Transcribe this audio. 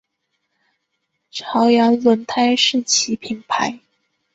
朝阳轮胎是其品牌。